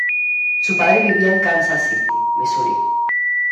Su padre vivía en Kansas City, Missouri.